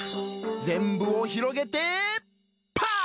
ぜんぶをひろげてパッ！